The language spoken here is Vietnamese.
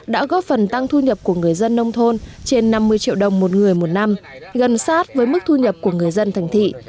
đã góp phần tăng thu nhập của người dân nông thôn trên năm mươi triệu đồng một người một năm gần sát với mức thu nhập của người dân thành thị